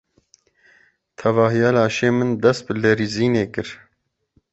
Tevahiya laşê min dest bi lerizînê kir.